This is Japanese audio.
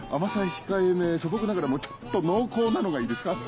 控えめ素朴ながらもちょっと濃厚なのがいいですか？